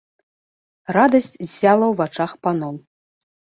Радасць ззяла ў вачах паноў.